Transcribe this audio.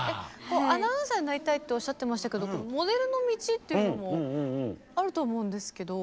アナウンサーになりたいとおっしゃってましたけどモデルの道っていうのもあると思うんですけど。